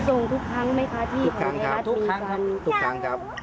ส่งทุกครั้งไหมคะที่ไทยรัฐมีกันทุกครั้งครับ